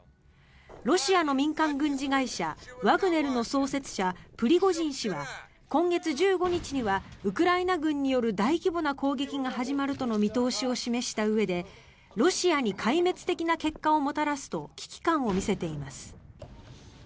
ロシアの民間軍事会社ワグネルの創設者、プリゴジン氏は今月１５日はウクライナ軍による大規模な攻撃が始まるとの見通しを示したうえでロシアに壊滅的な結果をもたらすと危機感を見せています。